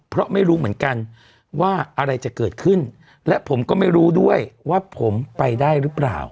เพราะไม่รู้เหมือนกันว่าอะไรจะเกิดขึ้นและผมก็ไม่รู้ด้วยว่าผมไปได้หรือเปล่า